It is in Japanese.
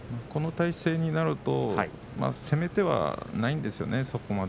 この体勢になると攻め手はないんですよね。